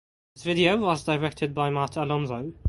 The video was directed by Matt Alonzo.